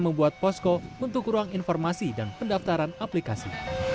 membuat posko untuk ruang informasi dan pendaftaran aplikasi